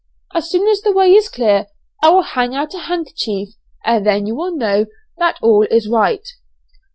As soon as the way is clear I will hang out a handkerchief and then you will know that all is right.'